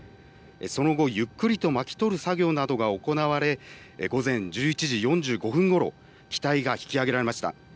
その後ゆっくりと巻き取る作業などが行われ午前１１時４５分ごろ、機体が引き揚げられました。